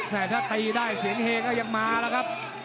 แพทย์ถ้าตรีได้เสียงเหมาะมาละครับ